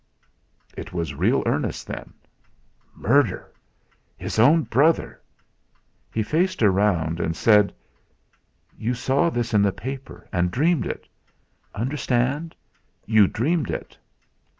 It was real earnest, then. Murder! His own brother! He faced round and said: "You saw this in the paper, and dreamed it. Understand you dreamed it!"